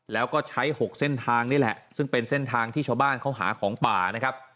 แล้วก็ใช้๖เส้นทางนี่แหละซึ่งเป็นเส้นทางที่ชาวบ้านเขาหาของป่านะครับ